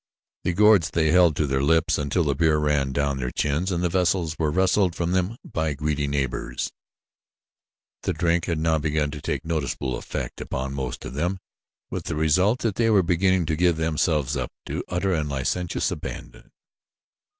The gourds they held to their lips until the beer ran down their chins and the vessels were wrested from them by greedy neighbors. The drink had now begun to take noticeable effect upon most of them, with the result that they were beginning to give themselves up to utter and licentious abandon.